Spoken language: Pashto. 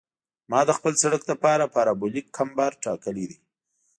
ما د خپل سرک لپاره پارابولیک کمبر ټاکلی دی